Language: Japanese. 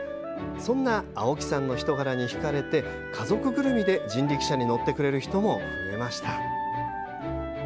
そんな青木さんの人柄にひかれて家族ぐるみで人力車に乗ってくれる人も増えました。